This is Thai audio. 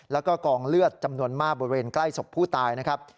แล้วก็กองเลือดจำนวนมากบริเวณใกล้ศพผู้ตายนะครับ